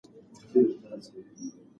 آیا ته د ټولنپوهنې له کتابونو ګټه اخلی؟